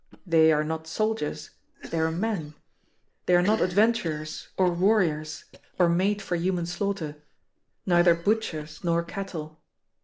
They are not soldiers, they are men. They are not adventurers, or warriors, or made for human slaughter, neither butchers nor cattle.